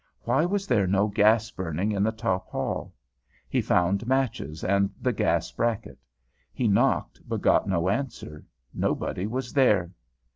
Why was there no gas burning in the top hall? He found matches and the gas bracket. He knocked, but got no answer; nobody was there.